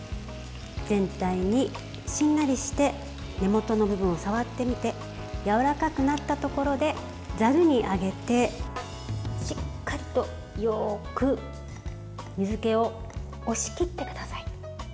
全体にしんなりして根元の部分を触ってみてやわらかくなったところでざるにあげてしっかりと、よく水けを押し切ってください。